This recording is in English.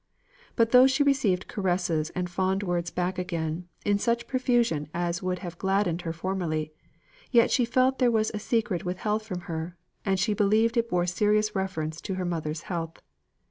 But though she received caresses and fond words back again, in such profusion as would have gladdened her formerly, yet she felt that there was a secret withheld from her, and she believed it bore serious reference to her mother's health.